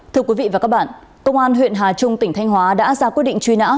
thưa quý vị và các bạn công an huyện hà trung tỉnh thanh hóa đã ra quyết định truy nã